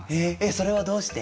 それはどうして？